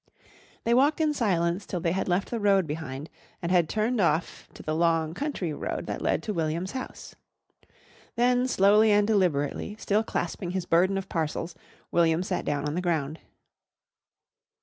They walked in silence till they had left the road behind and had turned off to the long country road that led to William's house. Then, slowly and deliberately, still clasping his burden of parcels, William sat down on the ground.